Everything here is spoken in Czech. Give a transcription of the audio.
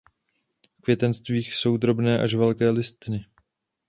V květenstvích jsou drobné až velké listeny.